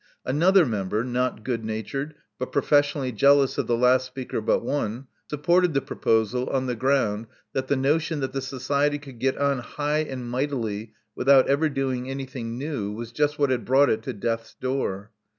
Another member, not good natured, but professionally jealous of the last speaker but one, supported the proposal on the ground that the notion that the Society could get on high and mightily without ever doing anything new was just what had brought it to death's door.